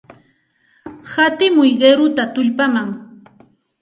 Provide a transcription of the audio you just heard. Hatimuy qiruta tullpaman.